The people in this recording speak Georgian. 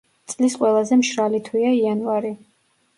წლის ყველაზე მშრალი თვეა იანვარი.